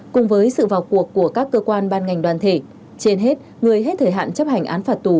cùng với sự vào cuộc của các cơ quan ban ngành đoàn thể trên hết người hết thời hạn chấp hành án phạt tù